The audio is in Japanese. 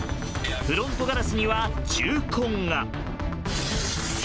フロントガラスには銃痕が。